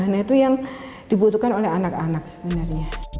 nah itu yang dibutuhkan oleh anak anak sebenarnya